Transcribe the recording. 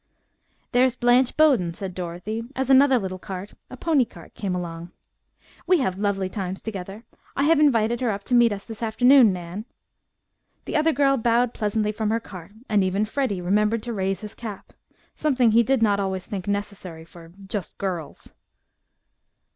"There's Blanche Bowden," said Dorothy, as another little cart, a pony cart, came along. "We have lovely times together. I have invited her up to meet us this afternoon, Nan." The other girl bowed pleasantly from her cart, and even Freddie remembered to raise his cap, something he did not always think necessary for "just girls."